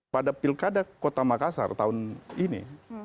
pada pilkada kota makassar tahun ini